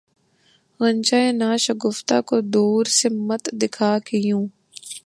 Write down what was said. غنچۂ ناشگفتہ کو دور سے مت دکھا کہ یوں